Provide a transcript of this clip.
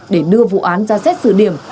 để đưa vụ án ra xét xử điểm